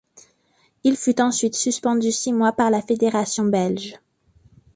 Il fut ensuite suspendu six mois par la fédération belge.